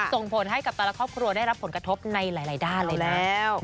ส่งผลให้กับแต่ละครอบครัวได้รับผลกระทบในหลายด้านเลยแล้ว